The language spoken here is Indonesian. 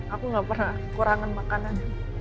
aku gak pernah kekurangan makanan